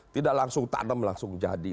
tidak langsung tanam langsung jadi